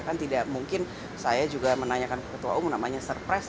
kan tidak mungkin saya juga menanyakan ke ketua umum namanya surprise